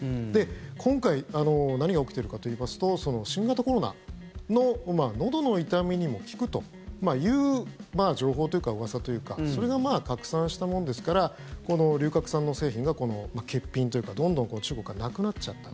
今回何が起きてるかといいますと新型コロナののどの痛みにも効くという情報というか、うわさというかそれが拡散したもんですから龍角散の製品が欠品というかどんどん中国からなくなっちゃった。